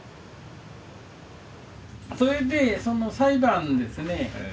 それでその裁判ですね。